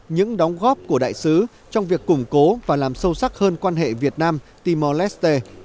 những đóng góp của đại sứ trong việc củng cố và làm sâu sắc hơn quan hệ việt nam timor leste